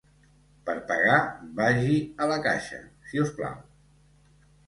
Per pagar vagi a la caixa, si us plau.